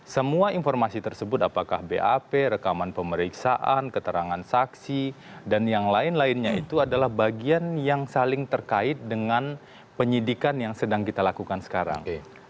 semua informasi tersebut apakah bap rekaman pemeriksaan keterangan saksi dan yang lain lainnya itu adalah bagian yang saling terkait dengan penyidikan yang sedang kita lakukan sekarang